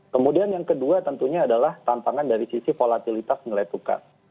kemudian yang kedua tentunya adalah tantangan dari sisi volatilitas nilai tukar